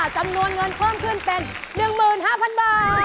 จำนวนเงินเพิ่มขึ้นเป็น๑๕๐๐๐บาท